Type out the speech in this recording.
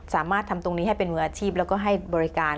สามารถทำตรงนี้ให้เป็นมืออาชีพแล้วก็ให้บริการ